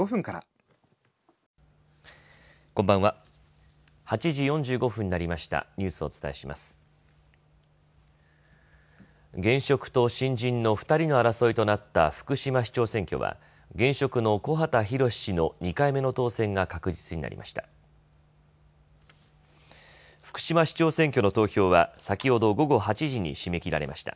現職と新人の２人の争いとなった福島市長選挙は現職の木幡浩氏の２回目の当選が確実になりました。